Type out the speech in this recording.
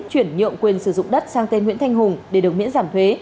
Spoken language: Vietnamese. chuyển nhượng quyền sử dụng đất sang tên nguyễn thanh hùng để được miễn giảm thuế